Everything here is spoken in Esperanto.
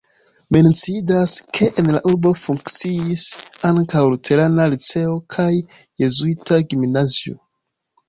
Menciindas, ke en la urbo funkciis ankaŭ luterana liceo kaj jezuita gimnazio.